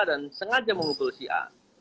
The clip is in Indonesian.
dan sengaja mengukul si a